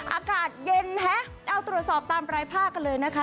อากาศเย็นฮะเอาตรวจสอบตามรายภาคกันเลยนะคะ